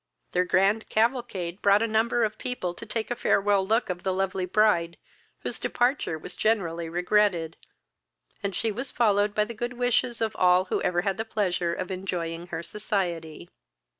Their grand cavalcade brought a number of people to take a farewell look of the lovely bride, whose departure was generally regretted; and she was followed by the good wishes of all who ever had the pleasure of enjoying her society.